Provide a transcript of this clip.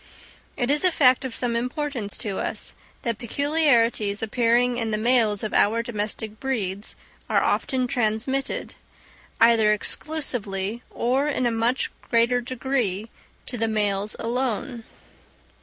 It is a fact of some importance to us, that peculiarities appearing in the males of our domestic breeds are often transmitted, either exclusively or in a much greater degree, to the males alone.